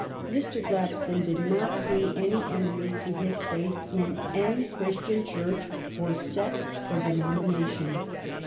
Mr. Gladstone did not see any enemy to his faith in any Christian Church or sect or denomination.